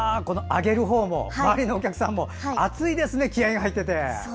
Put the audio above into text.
上げるほうも周りのお客さんも熱いですね、気合いが入っていて。